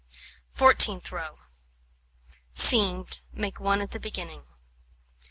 Fourteenth row: Seamed, make 1 at the beginning.